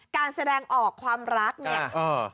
การแสดงออกความรักเนี่ย